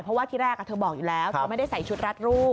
เพราะว่าที่แรกเธอบอกอยู่แล้วเธอไม่ได้ใส่ชุดรัดรูป